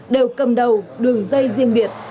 đều cầm đầu đường dây riêng biệt